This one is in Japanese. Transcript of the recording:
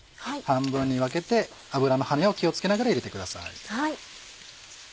半分に分けて油の跳ねを気を付けながら入れてください。